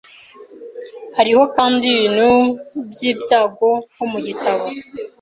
Hariho kandi ibintu by'ibyago, nko mu gitabo